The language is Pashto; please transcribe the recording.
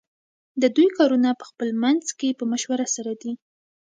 ددوی کارونه پخپل منځ کی په مشوره سره دی .